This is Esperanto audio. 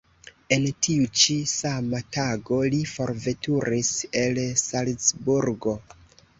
En tiu ĉi sama tago li forveturis el Salzburgo.